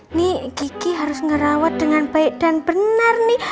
ini gigi harus ngerawat dengan baik dan benar nih